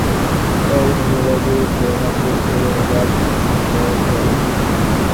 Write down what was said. এর ইংরেজি শিরোনামটি ভুল অনুবাদের ফসল।